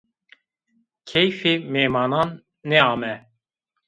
Keyfê mêmanan nêame